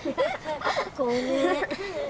ごめん。